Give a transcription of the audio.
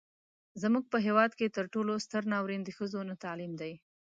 زموږ په هیواد کې تر ټولو ستر ناورين د ښځو نه تعليم دی.